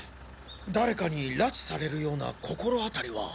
誰かに拉致されるような心当たりは？